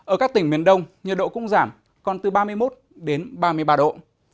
ở các tỉnh miền đông nhiệt độ cũng giảm còn từ ba mươi một đến ba mươi ba độ